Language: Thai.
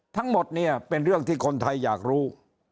ทั้งหมดเนี่ยเป็นเรื่องที่คนไทยอยากรู้